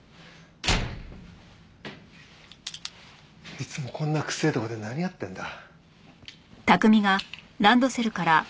いつもこんな臭えとこで何やってんだ？